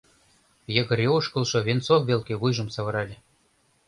Йыгыре ошкылшо Венцов велке вуйжым савырале.